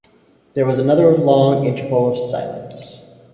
There was another long interval of silence.